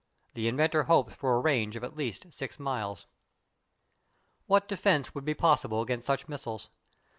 The inventor hopes for a range of at least six miles. What defence would be possible against such missiles?